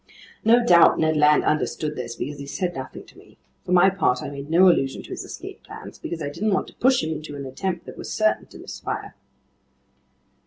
No doubt Ned Land understood this because he said nothing to me. For my part, I made no allusion to his escape plans because I didn't want to push him into an attempt that was certain to misfire.